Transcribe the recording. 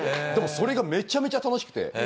でもそれがめちゃめちゃ楽しくて。